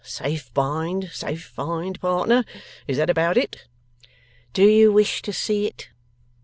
Safe bind, safe find, partner? Is that about it?' 'Do you wish to see it?